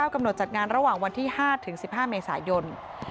กำหนดจัดงานระหว่างวันที่๕ถึง๑๕เมษายน